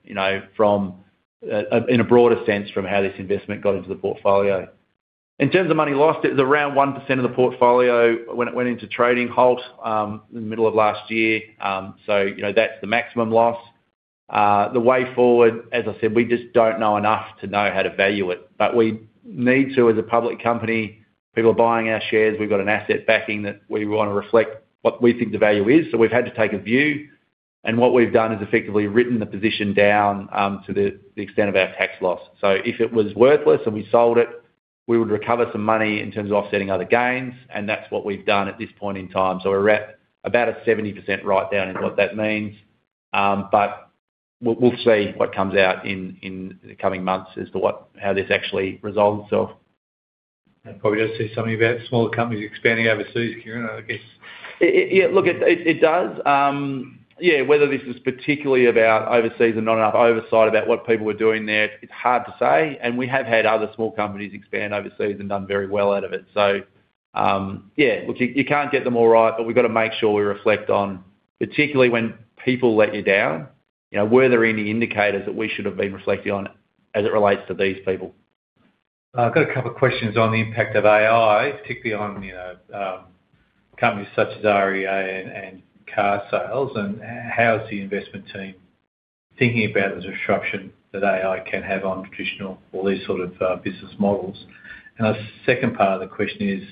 from, in a broader sense, from how this investment got into the portfolio. In terms of money lost, it was around 1% of the portfolio when it went into trading halt in the middle of last year. So that's the maximum loss. The way forward, as I said, we just don't know enough to know how to value it. But we need to, as a public company, people are buying our shares. We've got an asset backing that we want to reflect what we think the value is. So we've had to take a view. And what we've done is effectively written the position down to the extent of our tax loss. So if it was worthless and we sold it, we would recover some money in terms of offsetting other gains. And that's what we've done at this point in time. So we're at about a 70% write-down is what that means. But we'll see what comes out in the coming months as to how this actually resolves itself. That probably does say something about smaller companies expanding overseas, Kieran, I guess. Yeah. Look, it does. Yeah. Whether this is particularly about overseas and not enough oversight about what people were doing there, it's hard to say. We have had other small companies expand overseas and done very well out of it. Yeah. Look, you can't get them all right. But we've got to make sure we reflect on, particularly when people let you down, were there any indicators that we should have been reflecting on as it relates to these people? I've got a couple of questions on the impact of AI, particularly on companies such as REA and Carsales. How is the investment team thinking about the disruption that AI can have on traditional or these sort of business models? The second part of the question is,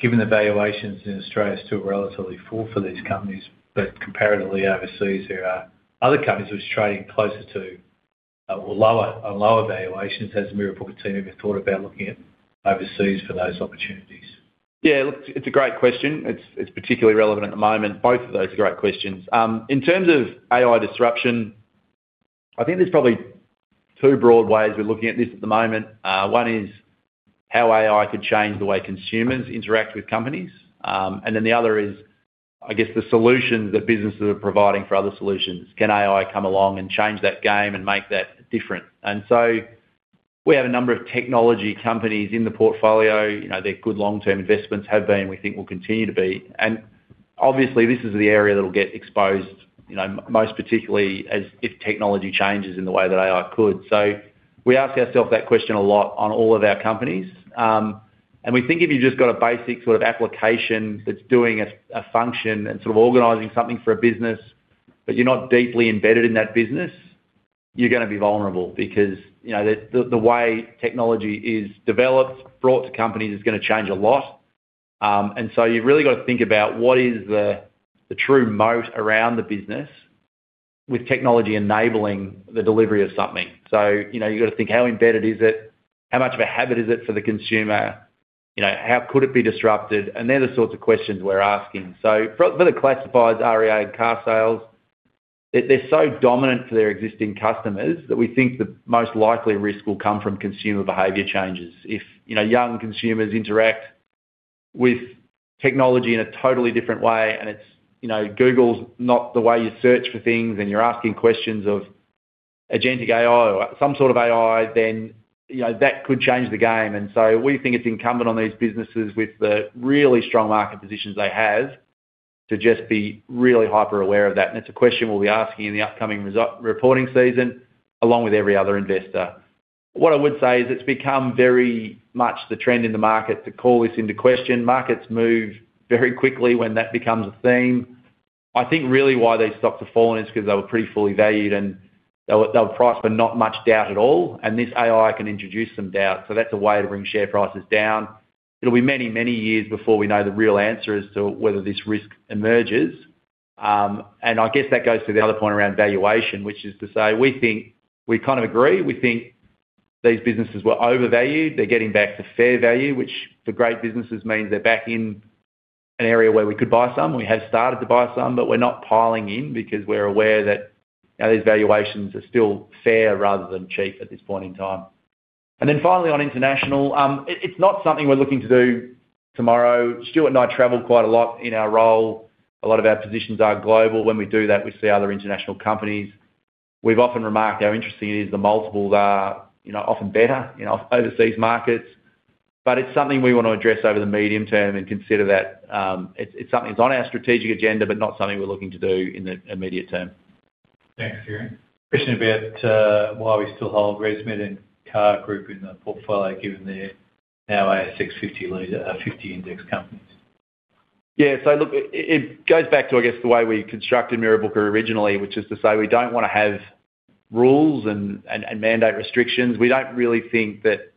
given the valuations in Australia are still relatively full for these companies, but comparatively overseas, there are other companies which are trading closer to or on lower valuations. Has the Mirrabooka team ever thought about looking at overseas for those opportunities? Yeah. Look, it's a great question. It's particularly relevant at the moment. Both of those are great questions. In terms of AI disruption, I think there's probably two broad ways we're looking at this at the moment. One is how AI could change the way consumers interact with companies. And then the other is, I guess, the solutions that businesses are providing for other solutions. Can AI come along and change that game and make that different? And so we have a number of technology companies in the portfolio. They're good long-term investments, have been, we think will continue to be. And obviously, this is the area that'll get exposed most particularly if technology changes in the way that AI could. So we ask ourselves that question a lot on all of our companies. And we think if you've just got a basic sort of application that's doing a function and sort of organizing something for a business, but you're not deeply embedded in that business, you're going to be vulnerable because the way technology is developed, brought to companies, is going to change a lot. And so you've really got to think about what is the true moat around the business with technology enabling the delivery of something. So you've got to think, how embedded is it? How much of a habit is it for the consumer? How could it be disrupted? And they're the sorts of questions we're asking. So for the classifieds, REA and car sales, they're so dominant for their existing customers that we think the most likely risk will come from consumer behavior changes. If young consumers interact with technology in a totally different way and Google's not the way you search for things and you're asking questions of Agentic AI or some sort of AI, then that could change the game. And so we think it's incumbent on these businesses with the really strong market positions they have to just be really hyper-aware of that. And it's a question we'll be asking in the upcoming reporting season along with every other investor. What I would say is it's become very much the trend in the market to call this into question. Markets move very quickly when that becomes a theme. I think really why these stocks have fallen is because they were pretty fully valued and they were priced for not much doubt at all. And this AI can introduce some doubt. So that's a way to bring share prices down. It'll be many, many years before we know the real answer as to whether this risk emerges. And I guess that goes to the other point around valuation, which is to say we think we kind of agree. We think these businesses were overvalued. They're getting back to fair value, which for great businesses means they're back in an area where we could buy some. We have started to buy some, but we're not piling in because we're aware that these valuations are still fair rather than cheap at this point in time. And then finally, on international, it's not something we're looking to do tomorrow. Stuart and I travel quite a lot in our role. A lot of our positions are global. When we do that, we see other international companies. We've often remarked how interesting it is the multiples are often better in overseas markets. But it's something we want to address over the medium term and consider that it's something that's on our strategic agenda, but not something we're looking to do in the immediate term. Thanks, Kieran. Question about why we still hold ResMed and Car Group in the portfolio given they're now ASX 50 index companies. Yeah. So look, it goes back to, I guess, the way we constructed Mirrabooka originally, which is to say we don't want to have rules and mandate restrictions. We don't really think that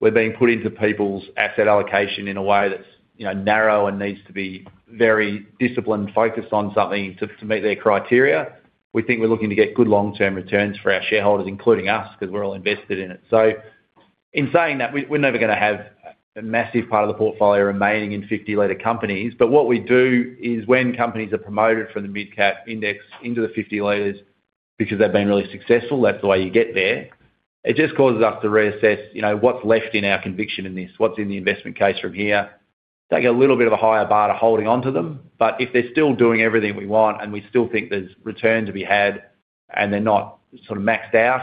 we're being put into people's asset allocation in a way that's narrow and needs to be very disciplined, focused on something to meet their criteria. We think we're looking to get good long-term returns for our shareholders, including us, because we're all invested in it. So in saying that, we're never going to have a massive part of the portfolio remaining in 50 Leaders companies. But what we do is when companies are promoted from the mid-cap index into the 50 Leaders because they've been really successful, that's the way you get there. It just causes us to reassess what's left in our conviction in this, what's in the investment case from here. Take a little bit of a higher bar to holding onto them. But if they're still doing everything we want and we still think there's return to be had and they're not sort of maxed out,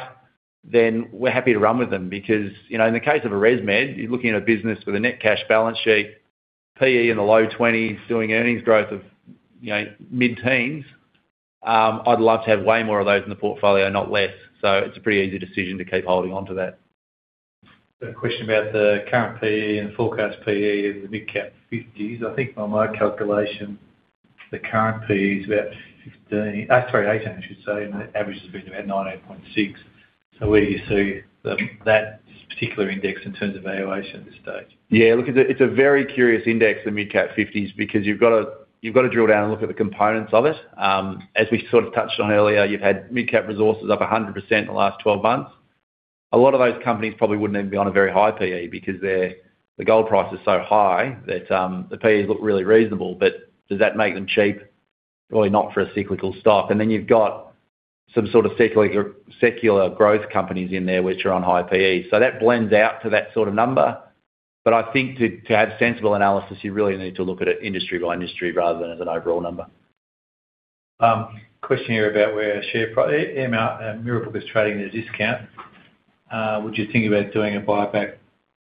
then we're happy to run with them. Because in the case of a ResMed, you're looking at a business with a net cash balance sheet, PE in the low 20s, doing earnings growth of mid-teens. I'd love to have way more of those in the portfolio, not less. So it's a pretty easy decision to keep holding onto that. Question about the current PE and forecast PE in the Mid-Cap 50s. I think on my calculation, the current PE is about 15, sorry, 18, I should say. The average has been about 19.6. So where do you see that particular index in terms of valuation at this stage? Yeah. Look, it's a very curious index, the Mid-Cap 50s, because you've got to drill down and look at the components of it. As we sort of touched on earlier, you've had mid-cap resources up 100% in the last 12 months. A lot of those companies probably wouldn't even be on a very high PE because the gold price is so high that the PEs look really reasonable. But does that make them cheap? Probably not for a cyclical stock. And then you've got some sort of secular growth companies in there which are on high PE. So that blends out to that sort of number. But I think to have sensible analysis, you really need to look at it industry by industry rather than as an overall number. Question here about where shares in Mirrabooka is trading at a discount. Would you think about doing a buyback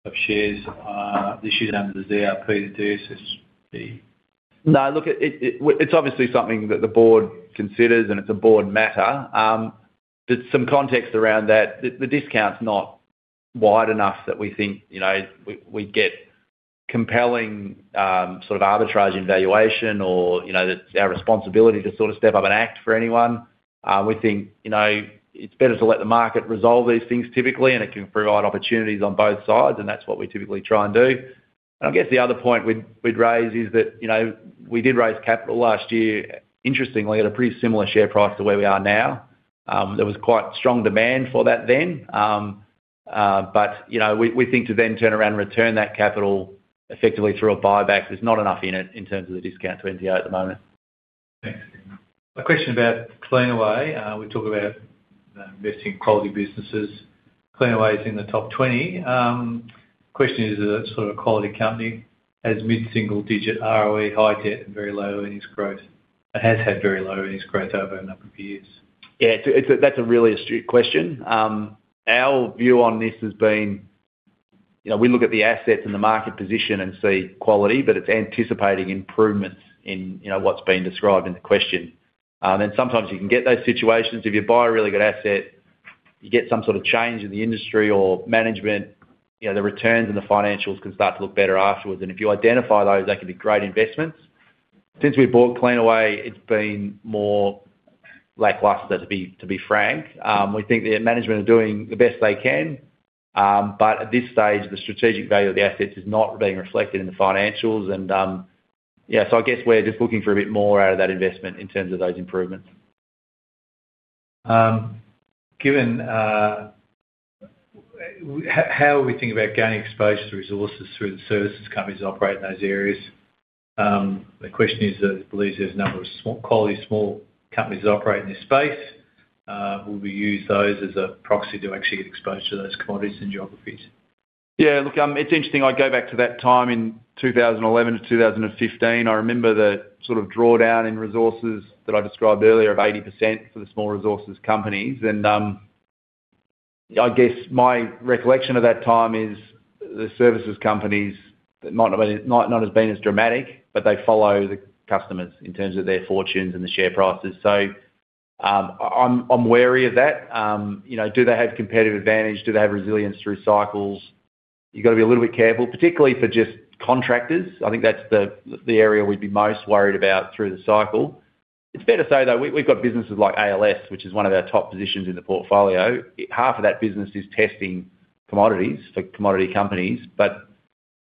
of shares this year under the DRP to do? No. Look, it's obviously something that the board considers. And it's a board matter. But some context around that, the discount's not wide enough that we think we'd get compelling sort of arbitrage in valuation or that it's our responsibility to sort of step up and act for anyone. We think it's better to let the market resolve these things typically. And it can provide opportunities on both sides. And that's what we typically try and do. And I guess the other point we'd raise is that we did raise capital last year, interestingly, at a pretty similar share price to where we are now. There was quite strong demand for that then. But we think to then turn around and return that capital effectively through a buyback, there's not enough in it in terms of the discount 28% at the moment. Thanks, Kieran. A question about Cleanaway. We talk about investing in quality businesses. Cleanaway is in the top 20. Question is, is it sort of a quality company? Has mid-single digit ROE, high debt, and very low earnings growth and has had very low earnings growth over a number of years? Yeah. That's a really astute question. Our view on this has been we look at the assets and the market position and see quality. But it's anticipating improvements in what's been described in the question. And sometimes you can get those situations. If you buy a really good asset, you get some sort of change in the industry or management, the returns and the financials can start to look better afterwards. And if you identify those, they can be great investments. Since we bought Cleanaway, it's been more lackluster, to be frank. We think the management are doing the best they can. But at this stage, the strategic value of the assets is not being reflected in the financials. And yeah. So I guess we're just looking for a bit more out of that investment in terms of those improvements. Given how we think about gaining exposure to resources through the services companies operating in those areas, the question is that I believe there's a number of quality small companies that operate in this space. Will we use those as a proxy to actually get exposure to those commodities and geographies? Yeah. Look, it's interesting. I go back to that time in 2011 to 2015. I remember the sort of drawdown in resources that I described earlier of 80% for the small resources companies. And I guess my recollection of that time is the services companies that might not have been as dramatic, but they follow the customers in terms of their fortunes and the share prices. So I'm wary of that. Do they have competitive advantage? Do they have resilience through cycles? You've got to be a little bit careful, particularly for just contractors. I think that's the area we'd be most worried about through the cycle. It's fair to say, though, we've got businesses like ALS, which is one of our top positions in the portfolio. Half of that business is testing commodities for commodity companies. But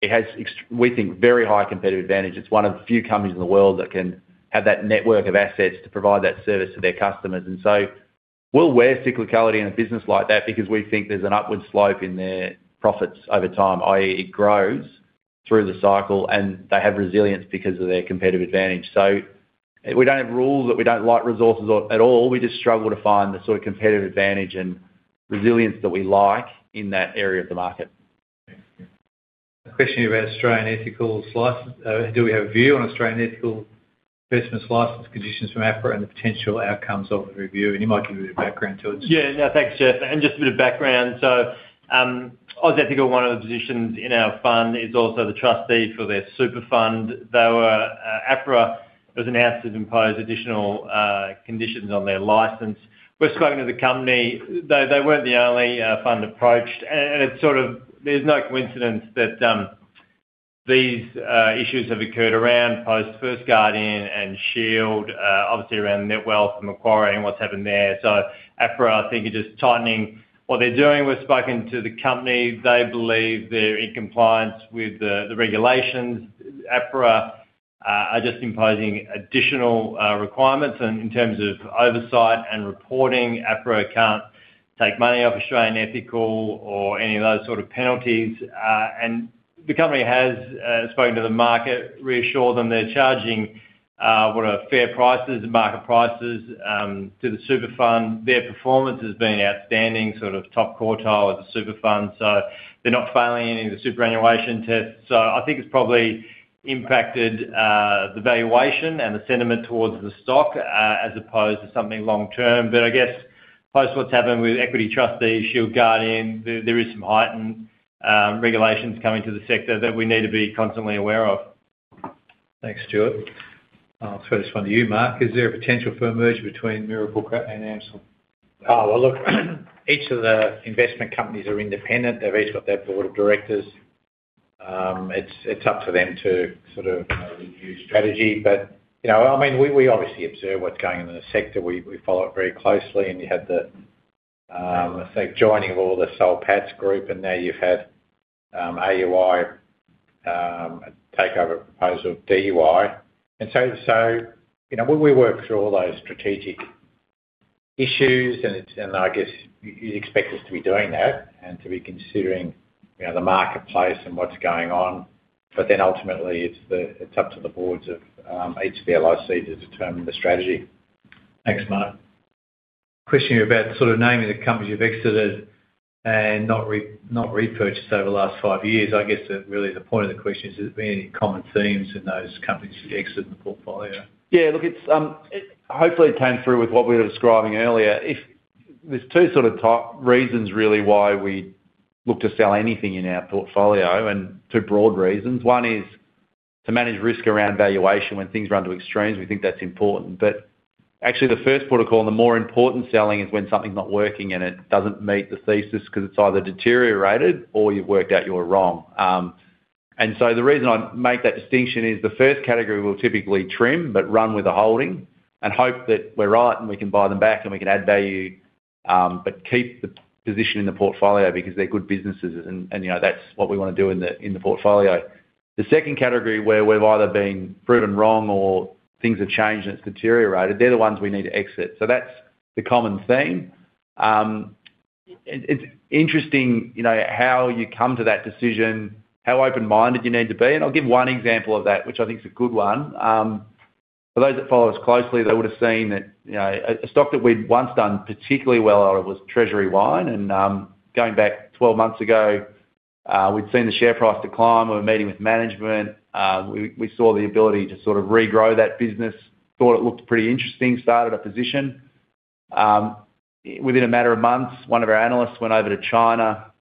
it has, we think, very high competitive advantage. It's one of the few companies in the world that can have that network of assets to provide that service to their customers. So we'll wear cyclicality in a business like that because we think there's an upward slope in their profits over time, i.e., it grows through the cycle. They have resilience because of their competitive advantage. We don't have rules that we don't like resources at all. We just struggle to find the sort of competitive advantage and resilience that we like in that area of the market. A question about Australian Ethical Investment Limited. Do we have a view on Australian Ethical Investment Limited conditions from APRA and the potential outcomes of the review? You might give a bit of background to it. Yeah. No. Thanks, Geoff. Just a bit of background. So Australian Ethical, one of the positions in our fund, is also the trustee for their super fund. APRA has announced they've imposed additional conditions on their license. We're spoken to the company. They weren't the only fund approached. And it's sort of there's no coincidence that these issues have occurred around post First Guardian and Shield, obviously around Netwealth and acquiring and what's happened there. So APRA, I think, are just tightening what they're doing. We're spoken to the company. They believe they're in compliance with the regulations. APRA are just imposing additional requirements. And in terms of oversight and reporting, APRA can't take money off Australian Ethical or any of those sort of penalties. And the company has spoken to the market, reassured them they're charging what are fair prices, market prices, to the super fund. Their performance has been outstanding, sort of top quartile as a super fund. So they're not failing any of the superannuation tests. So I think it's probably impacted the valuation and the sentiment towards the stock as opposed to something long-term. But I guess post what's happened with Equity Trustees, Shield, Guardian, there is some heightened regulations coming to the sector that we need to be constantly aware of. Thanks, Stuart. I'll throw this one to you, Mark. Is there a potential for a merger between Mirrabooka and AMCIL? Oh. Well, look, each of the investment companies are independent. They've each got their board of directors. It's up to them to sort of review strategy. But I mean, we obviously observe what's going on in the sector. We follow it very closely. And you had the joining of all the Soul Patts group. And now you've had AUI takeover proposal of DUI. And so we work through all those strategic issues. And I guess you'd expect us to be doing that and to be considering the marketplace and what's going on. But then ultimately, it's up to the boards of each LIC to determine the strategy. Thanks, Mark. Question here about sort of naming the companies you've exited and not repurchased over the last five years. I guess really the point of the question is, has there been any common themes in those companies you've exited in the portfolio? Yeah. Look, hopefully, it came through with what we were describing earlier. There's two sort of reasons really why we look to sell anything in our portfolio and two broad reasons. One is to manage risk around valuation. When things run to extremes, we think that's important. But actually, the first protocol and the more important selling is when something's not working and it doesn't meet the thesis because it's either deteriorated or you've worked out you were wrong. And so the reason I make that distinction is the first category will typically trim but run with a holding and hope that we're right and we can buy them back and we can add value but keep the position in the portfolio because they're good businesses. And that's what we want to do in the portfolio. The second category, where we've either been proven wrong or things have changed and it's deteriorated, they're the ones we need to exit. So that's the common theme. It's interesting how you come to that decision, how open-minded you need to be. And I'll give one example of that, which I think's a good one. For those that follow us closely, they would have seen that a stock that we'd once done particularly well out of was Treasury Wine. And going back 12 months ago, we'd seen the share price decline. We were meeting with management. We saw the ability to sort of regrow that business, thought it looked pretty interesting, started a position. Within a matter of months, one of our analysts went over to China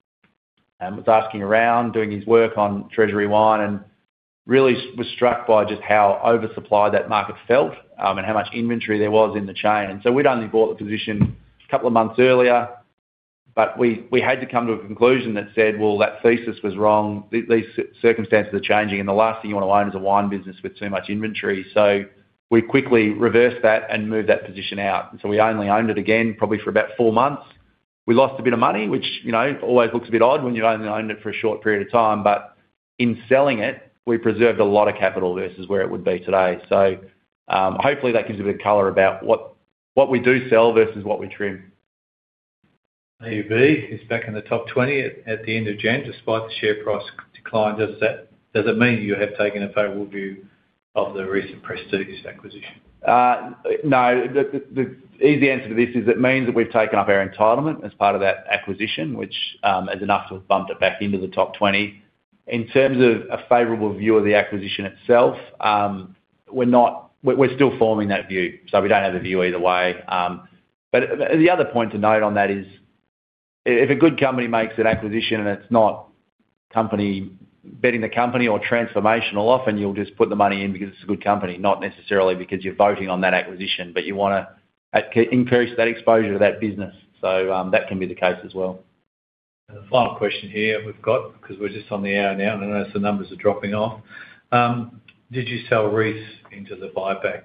and was asking around, doing his work on Treasury Wine, and really was struck by just how oversupplied that market felt and how much inventory there was in the chain. And so we'd only bought the position a couple of months earlier. But we had to come to a conclusion that said, "Well, that thesis was wrong. These circumstances are changing. And the last thing you want to own is a wine business with too much inventory." So we quickly reversed that and moved that position out. And so we only owned it again probably for about 4 months. We lost a bit of money, which always looks a bit odd when you've only owned it for a short period of time. But in selling it, we preserved a lot of capital versus where it would be today. So hopefully, that gives a bit of color about what we do sell versus what we trim. AUB is back in the top 20 at the end of January. Despite the share price decline, does it mean you have taken a favorable view of the recent prestigious acquisition? No. The easy answer to this is it means that we've taken up our entitlement as part of that acquisition, which is enough to have bumped it back into the top 20. In terms of a favorable view of the acquisition itself, we're still forming that view. So we don't have a view either way. But the other point to note on that is if a good company makes an acquisition and it's not betting the company or transformational, often you'll just put the money in because it's a good company, not necessarily because you're voting on that acquisition. But you want to increase that exposure to that business. So that can be the case as well. The final question here we've got because we're just on the hour now. I know some numbers are dropping off. Did you sell Reece into the buyback?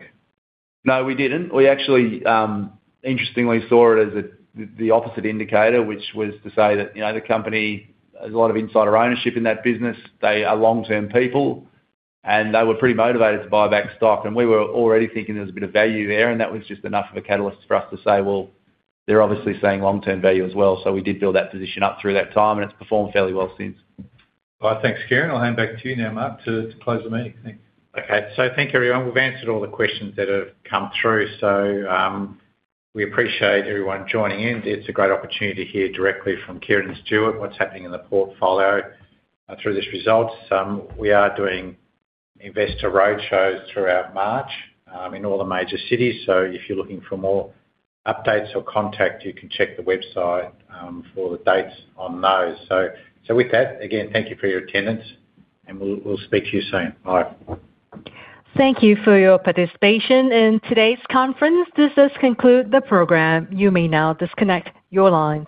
No. We didn't. We actually, interestingly, saw it as the opposite indicator, which was to say that the company has a lot of insider ownership in that business. They are long-term people. They were pretty motivated to buy back stock. We were already thinking there was a bit of value there. That was just enough of a catalyst for us to say, "Well, they're obviously saying long-term value as well." So we did build that position up through that time. It's performed fairly well since. All right. Thanks, Kieran. I'll hand back to you now, Mark, to close the meeting. Thanks. Okay. So thank you, everyone. We've answered all the questions that have come through. So we appreciate everyone joining in. It's a great opportunity to hear directly from Kieran and Stuart what's happening in the portfolio through this results. We are doing investor roadshows throughout March in all the major cities. So if you're looking for more updates or contact, you can check the website for the dates on those. So with that, again, thank you for your attendance. And we'll speak to you soon. Bye. Thank you for your participation in today's conference. This does conclude the program. You may now disconnect your lines.